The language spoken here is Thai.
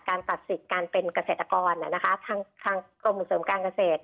ตัดสิทธิ์การเป็นเกษตรกรทางกรมส่งเสริมการเกษตร